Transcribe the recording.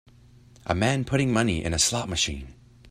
A man putting money in a slot machine.